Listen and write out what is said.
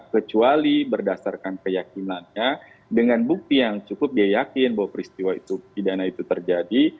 kecuali berdasarkan keyakinannya dengan bukti yang cukup dia yakin bahwa peristiwa itu pidana itu terjadi